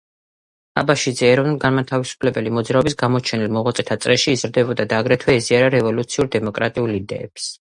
აბაშიძე ეროვნულ-განმათავისუფლებელი მოძრაობის გამოჩენილ მოღვაწეთა წრეში იზრდებოდა და აგრეთვე ეზიარა რევოლუციურ-დემოკრატიულ იდეებს.